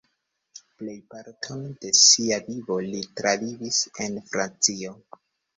Plejparton de sia vivo li travivis en Francio.